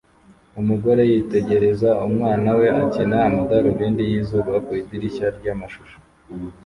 Umugore yitegereza umwana we akina amadarubindi yizuba ku idirishya ryamashusho